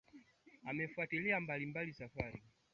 amefutilia mbali safari zake za ndege zaidi ya thelathini na sita